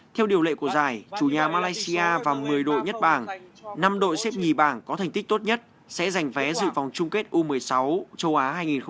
theo điều lệ của giải chủ nhà malaysia và một mươi đội nhất bảng năm đội xếp nhì bảng có thành tích tốt nhất sẽ giành vé dự vòng chung kết u một mươi sáu châu á hai nghìn hai mươi